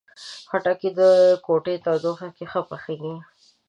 خټکی د کوټې تودوخې کې ښه پخیږي.